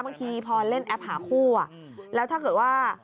บางทีพอเล่นแอปหาคู่แล้วถ้าเกิดว่า